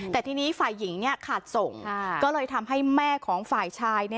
แต่ทีนี้ฝ่ายหญิงขาดส่งก็เลยทำให้แม่ของฝ่ายชาย